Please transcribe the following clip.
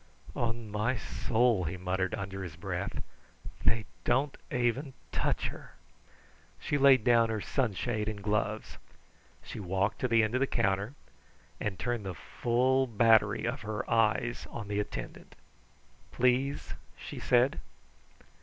"On my soul!" he muttered under his breath. "They don't aven touch her!" She laid down her sunshade and gloves. She walked to the end of the counter and turned the full battery of her eyes on the attendant. "Please," she said.